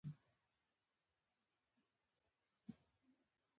اکسوم خپلې مستعمرې له لاسه ورکړې.